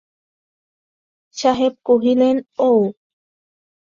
সাহেব কহিলেন, ও!